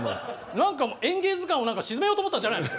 何か「演芸図鑑」を沈めようと思ったんじゃないの？